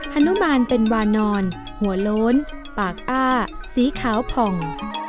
นุบาลเป็นวานอนหัวโล้นปากอ้าสีขาวผ่อง